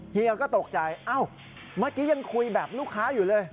เฮียก็ตกใจเอ้าเมื่อกี้ยังคุยแบบลูกค้าอยู่เลย